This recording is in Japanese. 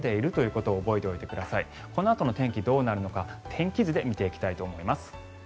このあとの天気どうなるのか天気図で見ていきたいと思います。